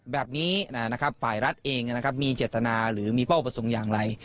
แบบนี้ฝ่ายรัฐเองมีเจตนาหรือมีเป้าประสงค์อย่างไร